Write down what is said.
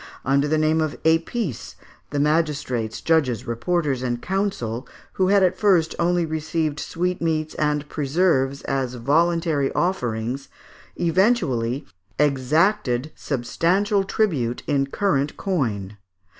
Under the name of épices, the magistrates, judges, reporters, and counsel, who had at first only received sweetmeats and preserves as voluntary offerings, eventually exacted substantial tribute in current coin.